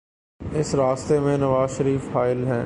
اس راستے میں نوازشریف حائل ہیں۔